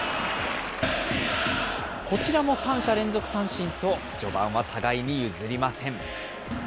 こちらも３者連続三振と、序盤は互いに譲りません。